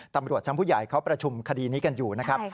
ตำรวจชั้นผู้ใหญ่เขาประชุมคดีนี้กันอยู่นะครับ